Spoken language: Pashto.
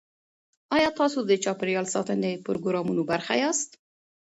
ایا تاسو د چاپیریال ساتنې پروګرامونو برخه یاست؟